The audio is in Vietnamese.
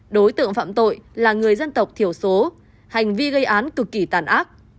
đối tượng phạm tội là người dân tộc thiểu số hành vi gây án cực kỳ tàn ác